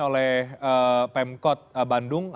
oleh pemkot bandung ya